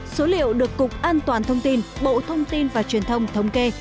số liệu được cục an toàn thông tin bộ thông tin và truyền thông thống kê